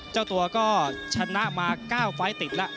เจ้าตัวก็ชนะมา๙ไฟล์ติดแล้ว